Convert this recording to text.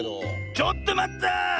ちょっとまった！